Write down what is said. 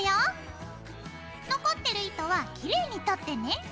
残ってる糸はきれいに取ってね。